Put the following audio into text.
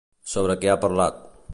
Sobre què ha parlat?